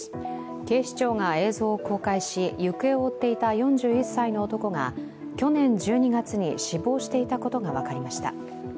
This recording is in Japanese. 警視庁が映像を公開し、行方を追っていた４１歳の男が、去年１２月に死亡していたことが分かりました。